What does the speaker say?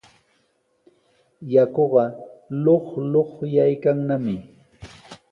Yakuqa luqluqyaykannami.